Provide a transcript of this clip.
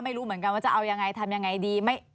ไม่รู้เหมือนกันว่าจะเอายังไงทำยังไงดี